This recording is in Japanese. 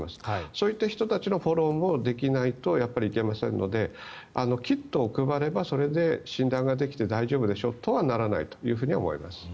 そういった人たちのフォローもできないといけませんのでキットを配ればそれで診断ができて大丈夫でしょとはならないと思います。